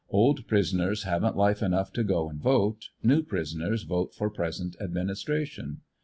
Old pris oners haven't life enough to go and vote; new prisoners vote for present administration.